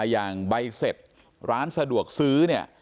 อย่างใบเสร็จร้านสะดวกซื้อเนี่ย